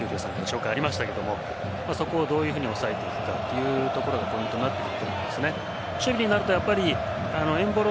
先ほどご紹介ありましたけどそこをどういうふうに抑えていくかというところがポイントになってくると思いますね。